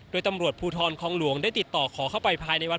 โดยตำรวจภูทรคองหลวงได้ติดต่อขอเข้าไปภายในวัด